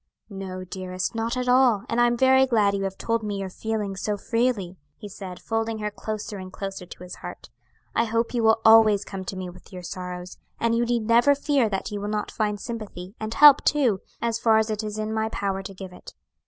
"No, dearest; not at all; and I am very glad you have told me your feelings so freely," he said, folding her closer and closer to his heart. "I hope you will always come to me with your sorrows, and you need never fear that you will not find sympathy, and help too, as far as it is in my power to give it.